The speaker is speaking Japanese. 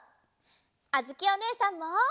あづきおねえさんも！